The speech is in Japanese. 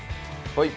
はい。